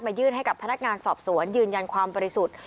ยื่นให้กับพนักงานสอบสวนยืนยันความบริสุทธิ์